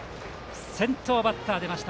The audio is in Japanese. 先頭バッターが出ました